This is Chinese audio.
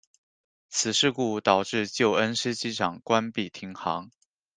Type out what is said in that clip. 此事故导致旧恩施机场关闭停航。